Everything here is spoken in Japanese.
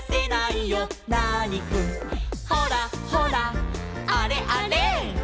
「ほらほらあれあれ」